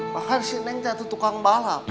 bahan sini tuh tuh tukang balap